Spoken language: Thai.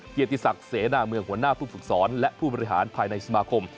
เกียรติศักดิ์เสนาเมืองหัวหน้าผู้ฝึกสอนและผู้บริหารภายในสมาคม